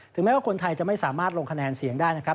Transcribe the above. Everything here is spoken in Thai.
แม้ว่าคนไทยจะไม่สามารถลงคะแนนเสียงได้นะครับ